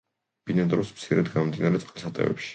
ბინადრობს მცირედ გამდინარე წყალსატევებში.